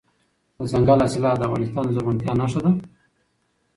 دځنګل حاصلات د افغانستان د زرغونتیا نښه ده.